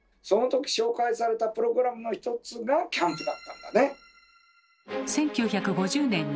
その時紹介されたプログラムの一つがキャンプだったんだね。